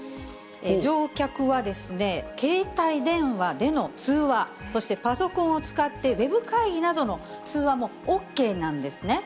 乗客は携帯電話での通話、そしてパソコンを使ってウェブ会議などの通話もＯＫなんですね。